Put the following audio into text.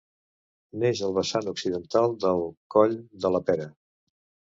Neix al vessant occidental del Coll de la Pera.